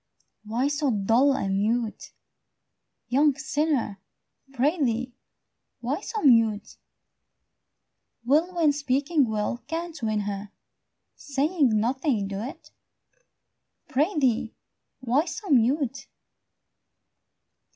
Why so dull and mute, young sinner? Prithee, why so mute? Will, when speaking well can't win her, Saying nothing do't? Prithee, why so mute?